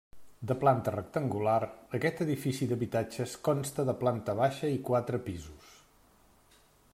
De planta rectangular, aquest edifici d'habitatges consta de planta baixa i quatre pisos.